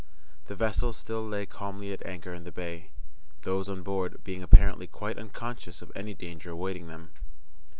The vessel still lay calmly at anchor in the bay, those on board being apparently quite unconscious of any danger awaiting them.